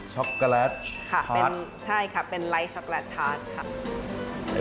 ช็อกโกแลตทาร์ดใช่ค่ะเป็นไลฟ์ช็อกโกแลตทาร์ด